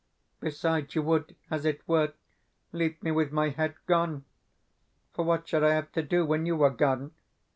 Besides, you would, as it were, leave me with my head gone. For what should I have to do when you were gone?